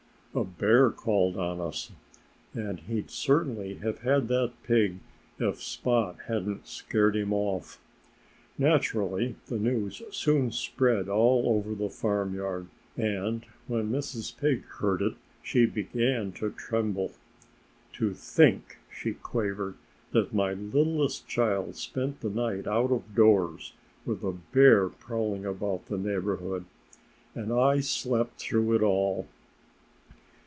A bear called on us! And he'd certainly have had that pig if Spot hadn't scared him off." Naturally the news soon spread all over the farmyard. And when Mrs. Pig heard it she began to tremble. "To think," she quavered, "that my littlest child spent the night out of doors, with a bear prowling about the neighborhood! And I slept through it all!